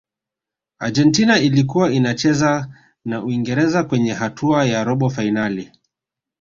argentina ilikuwa inacheza na uingereza kwenye hatua ya robo fainali